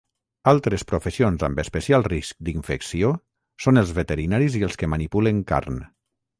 Altres professions amb especial risc d'infecció són els veterinaris i els que manipulen carn.